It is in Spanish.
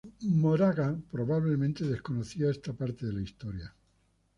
Moraga probablemente desconocía esta parte de la historia.